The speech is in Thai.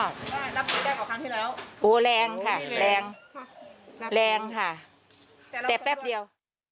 รับรู้ได้กว่าครั้งที่แล้วโอ้แรงค่ะแรงแรงค่ะแต่แป๊บเดียว